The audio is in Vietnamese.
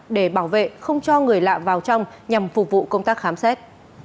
để bảo vệ không cho người lạ vào trong nhằm phục vụ công tác khám xét